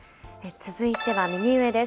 続いては右上です。